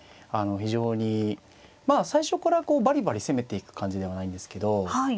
非常にまあ最初からこうばりばり攻めていく感じではないんですけど